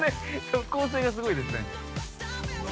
◆速効性がすごいですね。